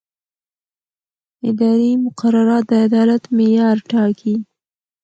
اداري مقررات د عدالت معیار ټاکي.